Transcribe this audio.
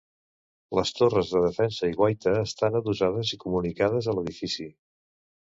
Les torres de defensa i guaita estan adossades i comunicades a l'edifici.